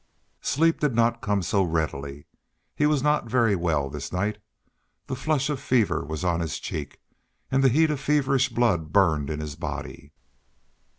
Sleep did not come so readily; he was not very well this night; the flush of fever was on his cheek, and the heat of feverish blood burned his body.